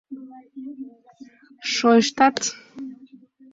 — Шойыштат!..